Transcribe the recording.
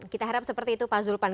kita harap seperti itu pak zulpan